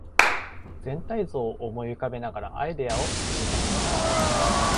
全体像を思い浮かべながらアイデアを積み重ねる